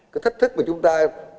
cái thách thức mà chúng ta